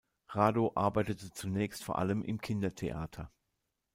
Rado arbeitete zunächst vor allem im Kindertheater.